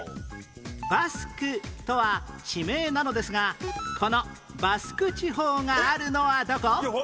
バスクとは地名なのですがこのバスク地方があるのはどこ？